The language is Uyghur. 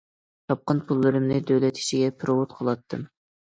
تاپقان پۇللىرىمنى دۆلەت ئىچىگە پېرېۋوت قىلاتتىم.